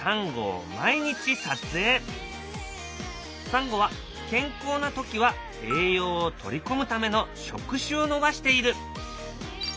サンゴは健康な時は栄養を取り込むための触手を伸ばしている。